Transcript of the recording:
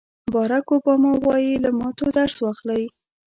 باراک اوباما وایي له ماتو درس واخلئ.